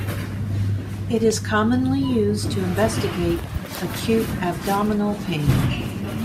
It is commonly used to investigate acute abdominal pain.